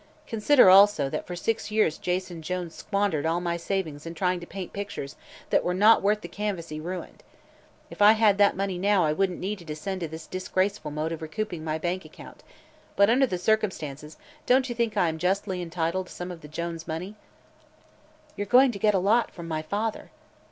Consider, also, that for six years Jason Jones squandered all my savings in trying to paint pictures that were not worth the canvas he ruined. If I had that money now I wouldn't need to descend to this disgraceful mode of recouping my bank account; but, under the circumstances, don't you think I am justly entitled to some of the Jones money?" "You're going to get a lot from my father."